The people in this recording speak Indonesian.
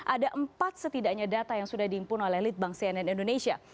ada empat setidaknya data yang sudah diimpun oleh litbang cnn indonesia